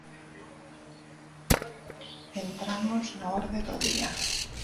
Entramos na orde do día.